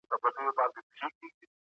ایا ملي بڼوال بادام اخلي؟